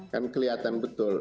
kan kelihatan betul